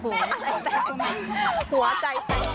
แตกหัวใจ